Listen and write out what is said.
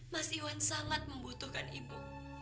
mas iwan sangat membutuhkan ibu